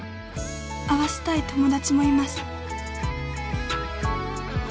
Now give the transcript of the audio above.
「会わせたい友達もいます」